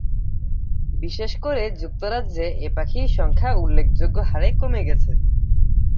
বিশেষ করে যুক্তরাজ্যে এ পাখির সংখ্যা উল্লেখযোগ্য হারে কমে গেছে।